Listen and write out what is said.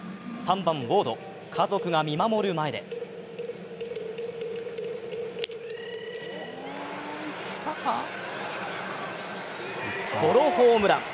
３番・ウォード、家族が見守る前でソロホームラン！